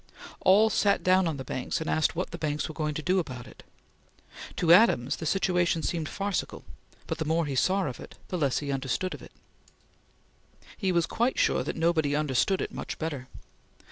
All sat down on the banks and asked what the banks were going to do about it. To Adams the situation seemed farcical, but the more he saw of it, the less he understood it. He was quite sure that nobody understood it much better.